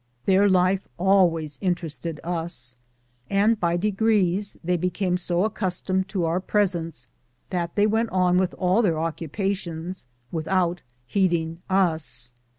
Their life always interested us, and by degrees they became so accustomed to our presence that they went on with all their occupations without heeding us.